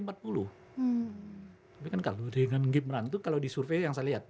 sebenarnya itu kalau di survei yang saya lihat